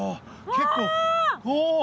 結構おお。